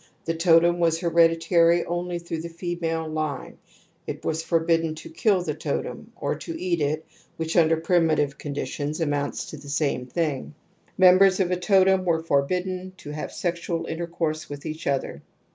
The totem was hereditary only through the female line ; it was forbidden to kill the totem or to eat it, which under primitive conditions amounts to the same thing) ; members of a totem wefe^fbrdid^derito have sexual intercourse with each oiher^^.